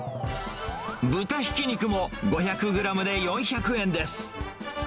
豚ひき肉も５００グラムで４００円です。